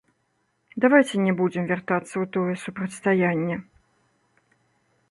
Давайце не будзем вяртацца ў тое супрацьстаянне.